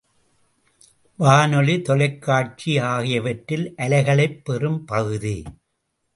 வானொலி, தொலைக் காட்சி ஆகியவற்றில் அலைகளைப் பெறும் பகுதி.